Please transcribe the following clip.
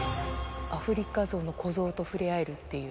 アフリカゾウの子ゾウと触れ合えるっていう。